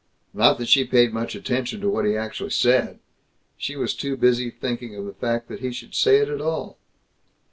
Not that she paid much attention to what he actually said! She was too busy thinking of the fact that he should say it at all.